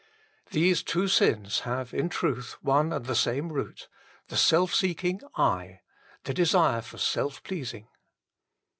These two sins have in truth one and the same root : the self seeking /, the desire for self pleasing.